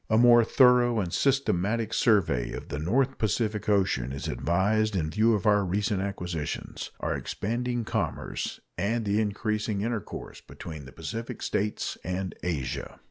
A more thorough and systematic survey of the North Pacific Ocean is advised in view of our recent acquisitions, our expanding commerce, and the increasing intercourse between the Pacific States and Asia.